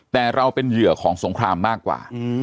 แต่เราเป็นเหยื่อของสงครามมากกว่า